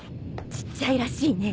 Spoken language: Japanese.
ちっちゃいらしいね。